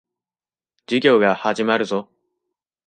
授業が始まるぞ。